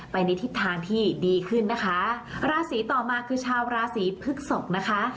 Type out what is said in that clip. ในทิศทางที่ดีขึ้นนะคะราศีต่อมาคือชาวราศีพฤกษกนะคะ